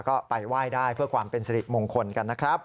ก็ไปไหว้ได้เพื่อความเป็นสิริมงคลกันนะครับ